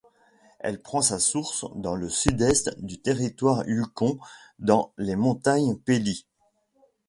Elle prend sa source dans le sud-est du territoire Yukon dans les montagnes Pelly.